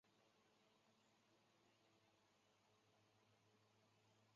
星毛冠盖藤为虎耳草科冠盖藤属下的一个种。